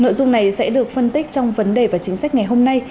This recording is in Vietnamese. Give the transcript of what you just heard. nội dung này sẽ được phân tích trong vấn đề và chính sách ngày hôm nay